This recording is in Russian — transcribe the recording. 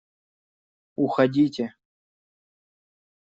Уходите!..